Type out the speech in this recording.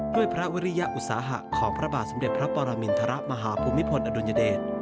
ด้วยพระวิริยอุตสาหะของพระบาทสมเด็จพระปรมินทรมาฮภูมิพลอดุลยเดช